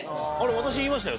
私言いましたよ